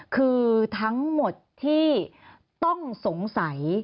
คือทั้งหมดที่ต้องสงสัย